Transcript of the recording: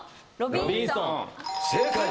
『ロビンソン』正解！